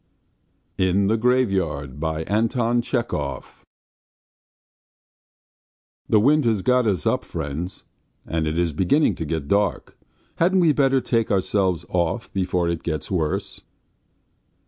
IN THE GRAVEYARD "THE wind has got up, friends, and it is beginning to get dark. Hadn't we better take ourselves off before it gets worse?"